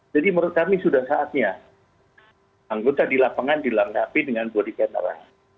jadi menurut kami sudah saatnya anggota di lapangan dilengkapi dengan bodi kamera